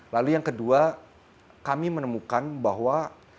lalu yang kedua kami menemukan bahwa